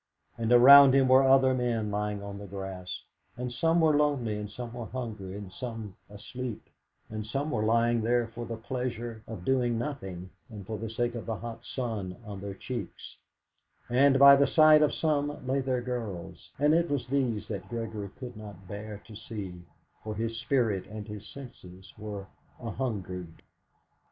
And around him were other men lying on the grass, and some were lonely, and some hungry, and some asleep, and some were lying there for the pleasure of doing nothing and for the sake of the hot sun on their cheeks; and by the side of some lay their girls, and it was these that Gregory could not bear to see, for his spirit and his senses were a hungered.